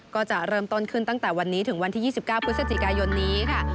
ก็จะเริ่มต้นขึ้นตั้งแต่วันนี้ถึงวันที่๒๙พฤศจิกายนนี้ค่ะ